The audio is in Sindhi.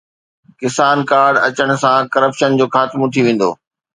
ڪسان ڪارڊ اچڻ سان ڪرپشن جو خاتمو ٿي ويندو